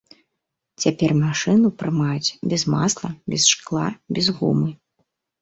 Цяпер машыну прымаюць без масла, без шкла, без гумы.